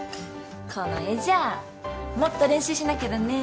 この絵じゃもっと練習しなきゃだね。